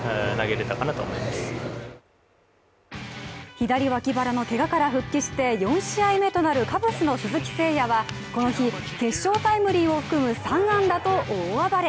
左わき腹のけがから復帰して４試合目となるカブスの鈴木誠也はこの日、決勝タイムリーを含む３安打と大暴れ！